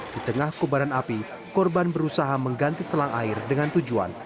di tengah kobaran api korban berusaha mengganti selang air dengan tujuan